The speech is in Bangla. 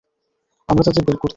আমরা তাদের বের করতাম।